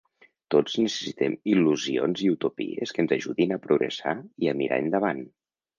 Tots necessitem il·lusions i utopies que ens ajudin a progressar i a mirar endavant.